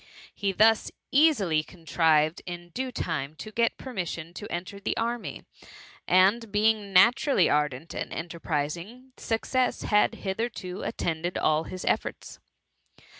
He thus easily contrived in due time to get permission to enter the army, and being natu rally ardent and enterprising, success had hitherto attended all his efibrts.